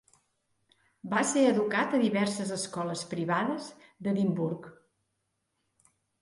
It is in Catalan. Va ser educat a diverses escoles privades d’Edimburg.